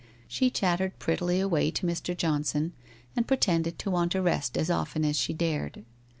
She chattered prettily away to Mr. John son, and pretended to want a rest as often as she dared.